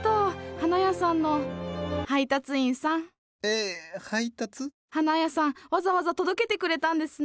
花屋さんわざわざ届けてくれたんですね。